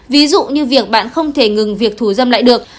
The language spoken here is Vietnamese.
ví dụ như việc bạn không thể ngừng việc thù dâm lại được